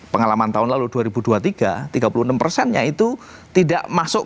pengalaman tahun lalu dua ribu dua puluh tiga tiga puluh enam persennya itu tidak masuk